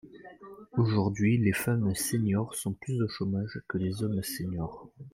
Aujourd’hui, les femmes seniors sont plus au chômage que les hommes seniors.